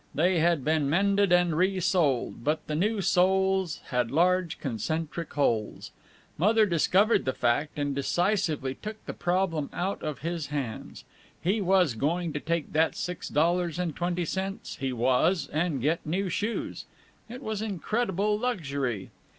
They had been mended and resoled, but the new soles had large concentric holes. Mother discovered the fact, and decisively took the problem out of his hands. He was going to take that six dollars and twenty cents, he was, and get new shoes. It was incredible luxury.